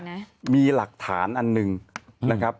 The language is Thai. นะมีหลักฐานอันหนึ่งนะครับ